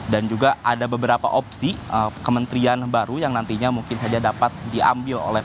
dan juga ada beberapa opsi kementerian baru yang nantinya mungkin saja dapat diambil oleh